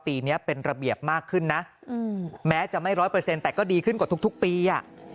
ปีนี้เป็นระเบียบมากขึ้นนะแม้จะไม่ร้อยเปอร์เซ็นต์แต่ก็ดีขึ้นกว่าทุกปีอ่ะ